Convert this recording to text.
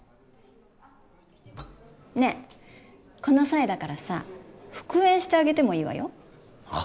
ねえこの際だからさ復縁してあげてもいいわよはっ？